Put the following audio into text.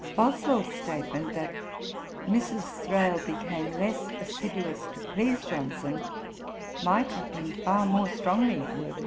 Boswell's statement that 'Mrs. Thrale became less assiduous to please Johnson,' might have been far more strongly worded.